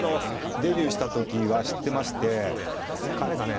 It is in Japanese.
デビューした時は知ってまして彼がね